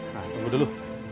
nah tunggu dulu